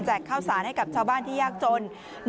ข้าวสารให้กับชาวบ้านที่ยากจน